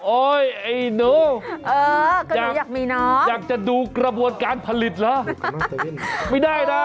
โอ๊ยหนูอยากจะดูกระบวนการผลิตเหรอไม่ได้นะ